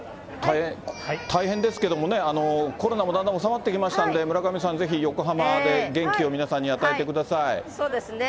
大変ですけどもね、コロナもだんだん収まってきましたんで、村上さん、ぜひ、横浜でそうですね。